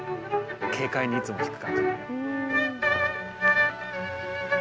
軽快にいつも弾く感じ。